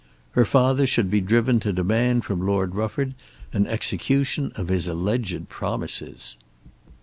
Her father should be driven to demand from Lord Rufford an execution of his alleged promises.